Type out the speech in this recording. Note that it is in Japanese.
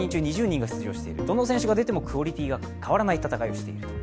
どの選手が出てもクオリティーが変わらない戦いをしている。